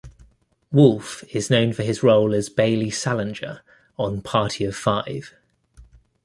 Wolf is known for his role as Bailey Salinger on "Party of Five".